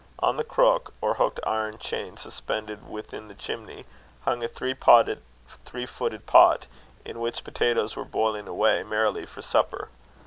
On the crook, or hooked iron chain suspended within the chimney, hung a three footed pot, in which potatoes were boiling away merrily for supper.